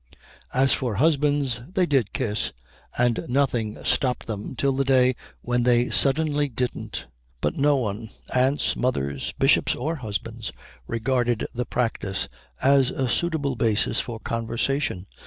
As for husbands, they did kiss, and nothing stopped them till the day when they suddenly didn't. But no one, aunts, mothers, bishops, or husbands, regarded the practice as a suitable basis for conversation.